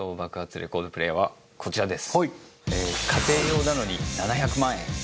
レコードプレーヤーはこちらです。